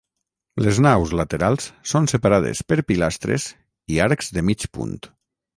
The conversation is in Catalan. Les naus laterals són separades per pilastres i arcs de mig punt.